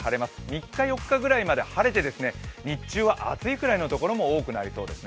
３日、４日ぐらいまで晴れて日中は暑いぐらいの所も多くなりそうです。